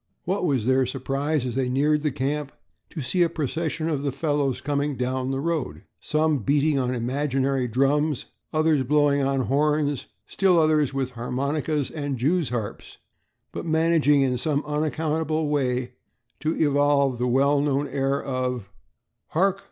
What was their surprise as they neared the camp to see a procession of the fellows coming down the road, some beating on imaginary drums, others blowing on horns, still others with harmonicas and jewsharps, but managing in some unaccountable way to evolve the well known air of "Hark!